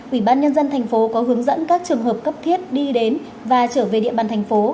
ủy ban nhân dân tp đạch giá có hướng dẫn các trường hợp cấp thiết đi đến và trở về địa bàn tp hcm